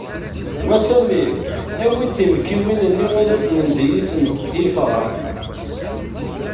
Wa Samir awi-d tiwekkiwin-nni ad nandi yis-sent i yefrax!